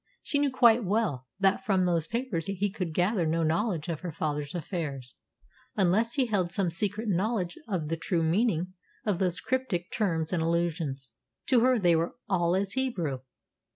She knew quite well that from those papers he could gather no knowledge of her father's affairs, unless he held some secret knowledge of the true meaning of those cryptic terms and allusions. To her they were all as Hebrew.